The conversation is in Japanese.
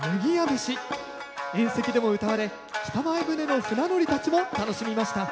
宴席でもうたわれ北前船の船乗りたちも楽しみました。